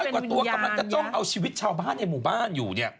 กว่าตัวกำลังจะจ้องเอาชีวิตชาวบ้านในหมู่บ้านอยู่เนี่ย